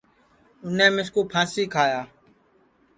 اُنے مِسکُو پھانٚسی کھایا